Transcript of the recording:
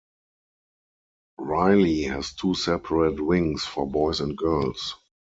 Riley has two separate wings for boys and girls.